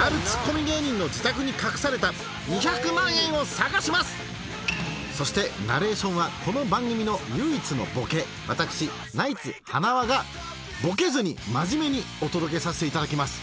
あるツッコミ芸人のそしてナレーションはこの番組の唯一のボケ私ナイツ塙がボケずに真面目にお届けさせて頂きます。